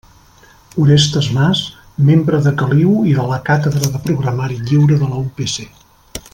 Orestes Mas, membre de Caliu i de la Càtedra de Programari Lliure de la UPC.